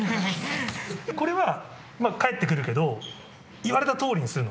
これは、返ってくるけど、言われたとおりにするの？